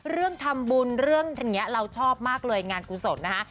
เรื่องทำบุญเรื่องอย่างนี้เราชอบมากเลยงานกุศลนะฮะ